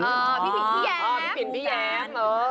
พี่ผินพี่แยม